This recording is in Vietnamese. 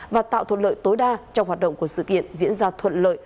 và tạo thuận lợi tối đa trong hoạt động của sự kiện diễn ra thuận lợi